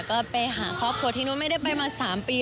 ก็ไปหาครอบครัวที่นู่นไม่ได้ไปมา๓ปี